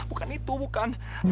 bukan itu bukan